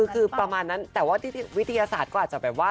คือประมาณนั้นแต่ว่าที่วิทยาศาสตร์ก็อาจจะแบบว่า